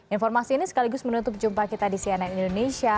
informasi ini sekaligus menutup jumpa kita di cnn indonesia